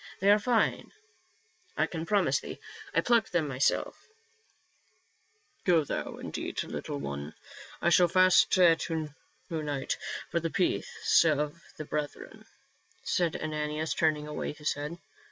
They are fine, I can promise thee ; I plucked them myself" " Go thou and eat, little one ; I shall fast to night for the peace of the brethren," said Ananias, turning away his head.